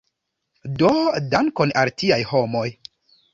Do, dankon al tiaj homoj!